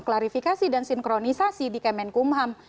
klarifikasi dan sinkronisasi di kemenkumham